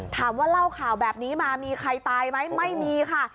ถามว่าเล่าข่าวแบบนี้มามีใครตายไหมไม่มีค่ะ